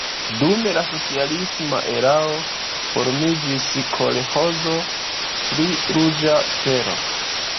Dum la socialisma erao formiĝis kolĥozo pri Ruĝa Stelo.